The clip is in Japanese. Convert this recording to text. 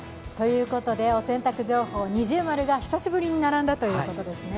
お洗濯情報、◎が久しぶりに並んだということですね。